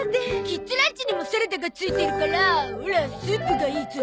キッズランチにもサラダがついてるからオラスープがいいゾ。